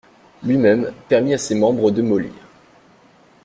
Lui-même permit à ses membres de mollir.